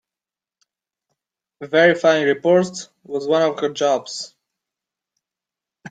Verifying reports was one of her jobs.